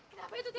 kenapa itu tiwi